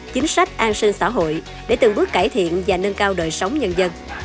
chính sách an sinh xã hội để từng bước cải thiện và nâng cao đời sống nhân dân